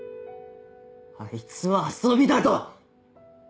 あいつは遊びだと！